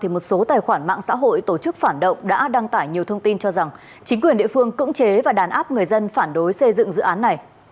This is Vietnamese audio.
đội tổ chức phản động đã đăng tải nhiều thông tin cho rằng chính quyền địa phương cưỡng chế và đàn áp người dân phản đối xây dựng dự án này